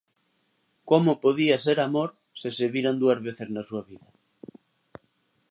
Como podía ser amor, se se viran dúas veces na súa vida?